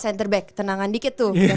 centerback tenangan dikit tuh